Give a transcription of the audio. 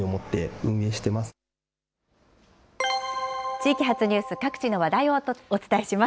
地域発ニュース、各地の話題をお伝えします。